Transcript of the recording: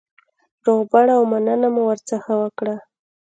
روغبړ او مننه مو ورڅخه وکړه.